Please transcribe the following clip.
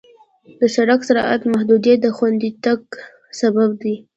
د سړک سرعت محدودیت د خوندي تګ سبب دی.